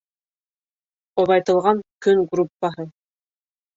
Оҙайтылған көн группаһы.